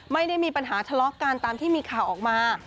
ไม่ได้มีปัญหาทะเลาะกันตามที่มีข่าวออกมา